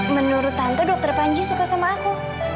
menurut tante dokter panji suka sama aku